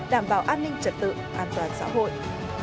đảm bảo an ninh trật tự an toàn xã hội